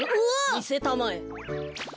みせたまえ。